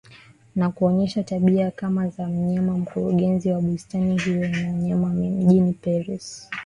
na kuonyesha tabia kama za mnyama mkurugenzi wa bustani hiyo ya wanyama mjini Paris